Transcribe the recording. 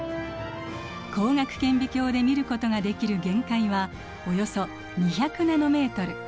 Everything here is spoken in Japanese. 光学顕微鏡で見ることができる限界はおよそ２００ナノメートル。